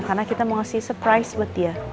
karena kita mau ngasih surprise buat dia